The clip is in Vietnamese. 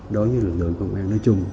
đối với lực lượng công an tỉnh bình dương